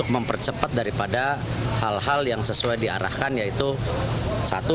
karena rencananya ahok akan ditempatkan